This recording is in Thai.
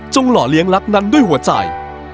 หล่อเลี้ยงรักนั้นด้วยหัวใจ